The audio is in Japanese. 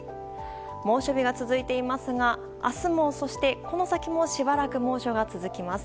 猛暑日が続いていますが明日も、そしてこの先もしばらく猛暑が続きます。